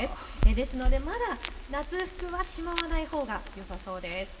ですのでまだ夏服はしまわないほうがよさそうです。